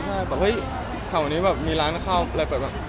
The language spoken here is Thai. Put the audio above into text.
แบบเฮ้ยแถวนี้มีร้านข้าว